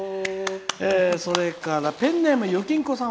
それからペンネーム、ゆきんこさん